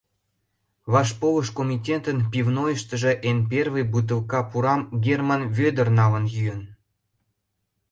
Вашполыш комитетын пивнойыштыжо эн первый бутылка пурам Герман Вӧдыр налын йӱын.